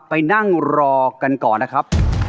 ไปนั่งรอกันก่อนนะครับ